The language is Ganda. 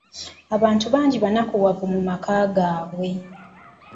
Abantu bangi bannakuwavu mu maka gaabwe